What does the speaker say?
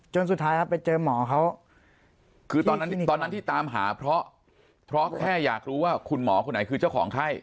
สุดท้ายครับไปเจอหมอเขาคือตอนนั้นตอนนั้นที่ตามหาเพราะแค่อยากรู้ว่าคุณหมอคนไหนคือเจ้าของไข้